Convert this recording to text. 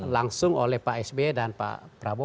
langsung oleh pak sb dan pak prabowo